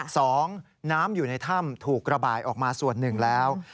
สองน้ำอยู่ในถ้ำถูกระบายออกมาส่วนหนึ่งแล้ว